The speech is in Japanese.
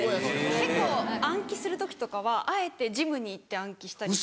結構暗記する時とかはあえてジムに行って暗記したりとか。